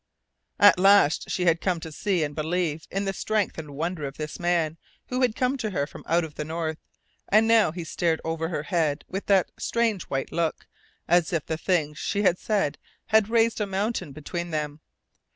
At last she had come to see and believe in the strength and wonder of this man who had come to her from out of the North, and now he stared over her head with that strange white look, as if the things she had said had raised a mountain between them.